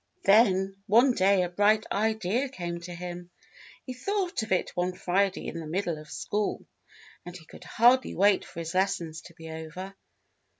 Then one day a bright idea came to him. He thought of it one Friday in the middle of school, and he could hardly wait for his lessons to be over.